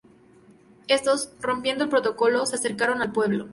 Éstos, rompiendo el protocolo, se acercaron al pueblo.